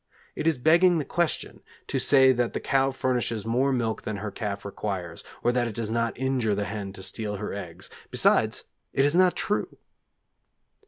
It is begging the question to say that the cow furnishes more milk than her calf requires, or that it does not injure the hen to steal her eggs. Besides, it is not true.